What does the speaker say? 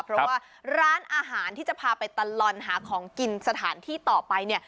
เพราะว่าร้านอาหารที่จะพาไปตลอดหาของกินสถานที่ต่อไปเนี่ย